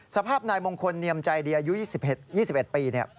สภาพนายมงคลเนียมใจดีอายุ๒๑ปี